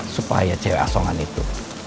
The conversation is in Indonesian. supaya cewek asongan itu